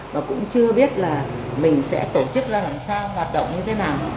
và cũng chưa biết là mình sẽ tổ chức ra làm sao hoạt động như thế nào